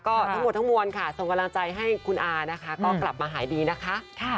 ก็ทั้งหมดทั้งมวลค่ะส่งกำลังใจให้คุณอานะคะก็กลับมาหายดีนะคะ